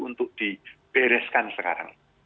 untuk dibereskan sekarang